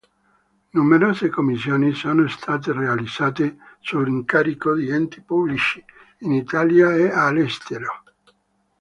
Numerose commissioni sono state realizzate su incarico di enti pubblici, in Italia e all'estero.